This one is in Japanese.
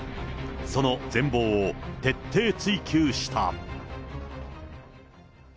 その全貌を徹底追及した。